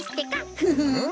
フフフ。